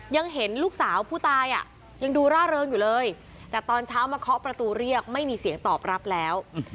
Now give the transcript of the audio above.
ยังเห็นลูกสาวผู้ตายอ่ะยังดูร่าเริงอยู่เลยแต่ตอนเช้ามาเคาะประตูเรียกไม่มีเสียงตอบรับแล้ว